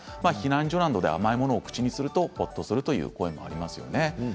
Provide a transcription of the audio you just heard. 避難所などで甘いものを口にするとほっとするという声がありますね。